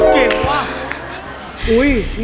อุ้ยเก่งแล้ว